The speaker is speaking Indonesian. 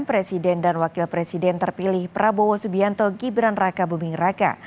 presiden dan wakil presiden terpilih prabowo subianto gibran raka buming raka